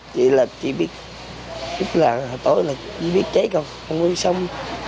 chỉ là chỉ biết tối là chỉ biết cháy còn không biết xong